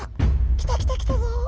来た来た来たぞ！